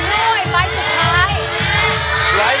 ตัวช่วยไม้สุดท้าย